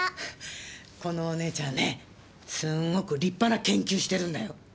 このお姉ちゃんねすんごく立派な研究してるんだよ。